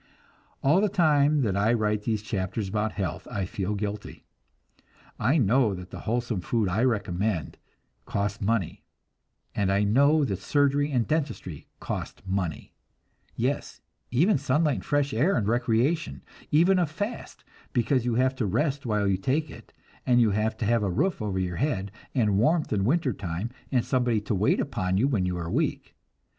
All the time that I write these chapters about health I feel guilty. I know that the wholesome food I recommend costs money, and I know that surgery and dentistry cost money yes, even sunlight and fresh air and recreation; even a fast, because you have to rest while you take it, and you have to have a roof over your head, and warmth in winter time, and somebody to wait upon you when you are weak.